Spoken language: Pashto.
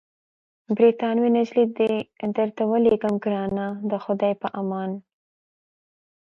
بریتانوۍ نجلۍ دي درته رالېږم، ګرانه د خدای په امان.